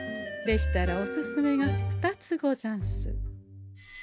でしたらおすすめが２つござんす。